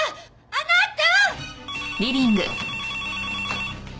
あなた！